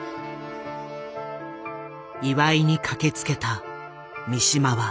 祝いに駆けつけた三島は。